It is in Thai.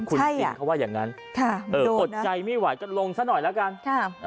คุณพินเขาว่าอย่างนั้นอดใจไม่ไหวก็ลงซะหน่อยแล้วกันค่ะ